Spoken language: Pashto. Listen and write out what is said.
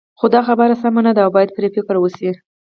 خو دا خبره سمه نه ده او باید پرې فکر وشي.